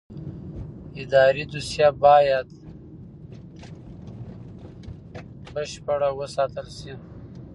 اداري دوسیه باید بشپړه وساتل شي.